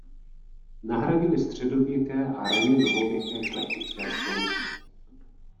Nahradily středověké a raně novověké šlechtické stolice.